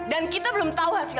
dan kita belum tau hasilnya